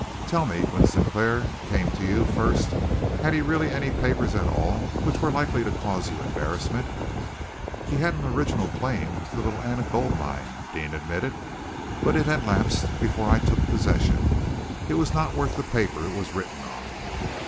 Tell me, when Sinclair came to you first had he really any papers at all which were likely to cause you embarrassment?" "He had an original claim to the Little Anna Gold Mine," Deane admitted, "but it had lapsed before I took possession. It was not worth the paper it was written on."